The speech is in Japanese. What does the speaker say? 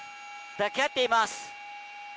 抱き合っています。